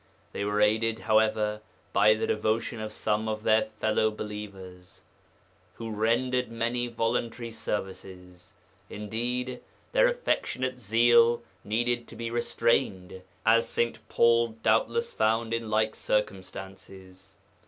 They were aided, however, by the devotion of some of their fellow believers, who rendered many voluntary services; indeed, their affectionate zeal needed to be restrained, as St. Paul doubtless found in like circumstances.